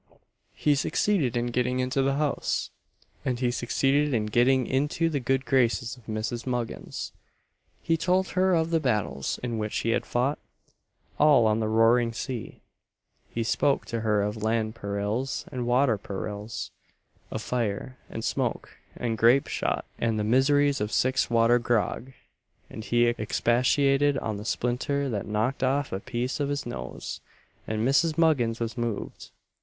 He succeeded in getting into the house, and he succeeded in getting into the good graces of Mrs. Muggins. He told her of the battles in which he had fought all on the roaring sea: he spoke to her of land perils, and water perils; of fire, and smoke, and grape shot, and the miseries of six water grog; and he expatiated on the splinter that knocked off a piece of his nose; and Mrs. Muggins was moved.